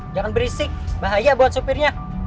jangan berisik bahaya buat sopirnya